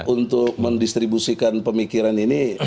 untuk mendistribusikan pemikiran ini